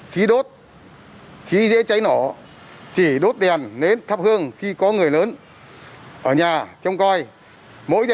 khí đốt khí dễ cháy nổ chỉ đốt đèn nến thắp hương khi có người lớn ở nhà trong coi mỗi gia